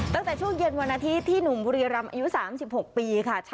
ตั้งแต่ช่วงเย็นวันอาทิตย์ที่หนุ่มบุรีรำอายุ๓๖ปีค่ะ